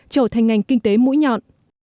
trở thành ngành kinh tế mũi nhọn